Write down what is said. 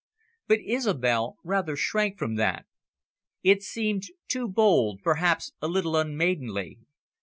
But Isobel rather shrank from that. It seemed too bold, perhaps a little unmaidenly.